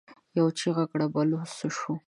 يوه چيغه کړه: بلوڅ څه شو؟